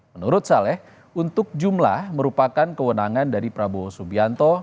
menurut saleh untuk jumlah merupakan kewenangan dari prabowo subianto